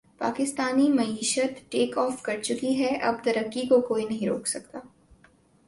پاکستانی معشیت take off کرچکی ھے اب ترقی کو کوئی نہیں روک سکتا